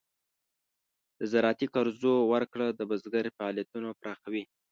د زراعتي قرضو ورکړه د بزګر فعالیتونه پراخوي.